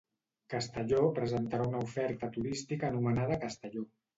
Castelló presentarà una oferta turística anomenada Castelló.